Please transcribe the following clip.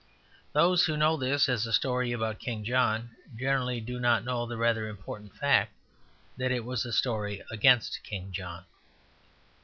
Those who know this as a story about King John generally do not know the rather important fact that it was a story against King John.